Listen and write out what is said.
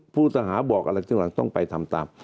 ผู้สหาบอกอะไรจึงหลังต้องไปทำตาม